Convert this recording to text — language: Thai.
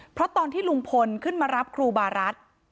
เพราะตอนที่ลุงพลขึ้นมารับครูบารัฐ